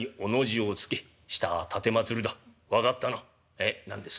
「えっ何です？